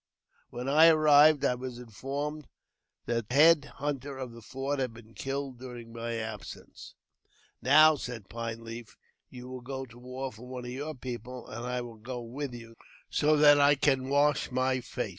When I arrived, IJwas informed that the head hunter of the fort had been killed during my absence. " Now," said Pine Leaf, " you will go to war for one of ! your people, and I will go with you, so that I can wash my face."